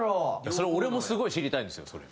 それ俺もすごい知りたいんですよそれ。